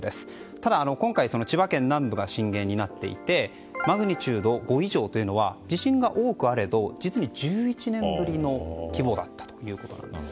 ただ、今回千葉県南部が震源になっていてマグニチュード５以上は地震が多くあれど実に１１年ぶりの規模だったということです。